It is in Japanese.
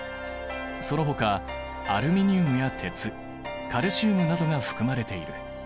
そのほかアルミニウムや鉄カルシウムなどが含まれている。